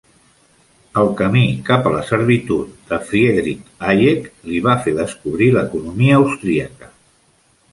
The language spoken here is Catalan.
El "Camí cap a la servitud" de Friedrich Hayek li va fer descobrir l'economia austríaca.